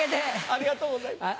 ありがとうございます。